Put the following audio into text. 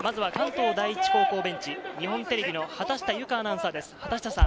関東第一高校ベンチ、日本テレビの畑下由佳アナウンサーです。